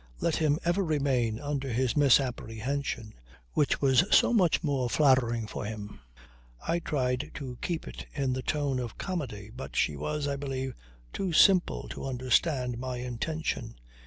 Let him ever remain under his misapprehension which was so much more flattering for him. I tried to keep it in the tone of comedy; but she was, I believe, too simple to understand my intention.